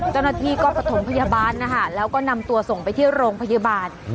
เจ้าหน้าที่ก็ประถมพยาบาลนะคะแล้วก็นำตัวส่งไปที่โรงพยาบาล